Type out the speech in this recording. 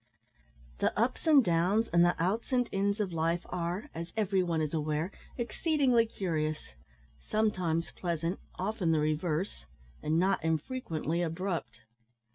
The ups and downs, and the outs and ins of life are, as every one is aware, exceedingly curious, sometimes pleasant, often the reverse, and not infrequently abrupt.